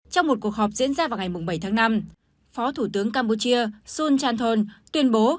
trong một cuộc họp diễn ra vào ngày bảy tháng năm phó thủ tướng campuchia sun chanthon tuyên bố